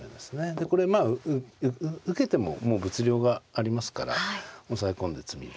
でこれまあ受けてももう物量がありますから押さえ込んで詰みで。